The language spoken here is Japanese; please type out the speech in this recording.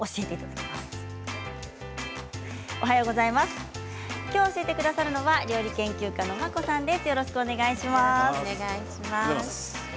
きょう教えてくださるのは料理研究家のＭａｋｏさんです。